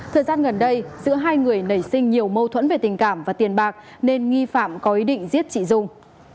thời gian gần đây giữa hai người nảy sinh nhiều mâu thuẫn về tình cảm và tiền bạc nên nghi phạm có ý định giết chị dung